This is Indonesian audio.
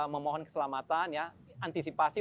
memohon keselamatan ya antisipasi